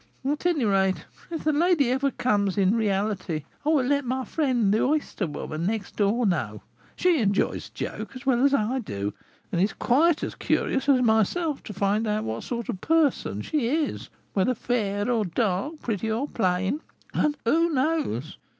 At any rate, if the lady ever comes in reality, I will let my friend the oyster woman next door know; she enjoys a joke as well as I do, and is quite as curious as myself to find out what sort of person she is, whether fair or dark, pretty or plain. And who knows?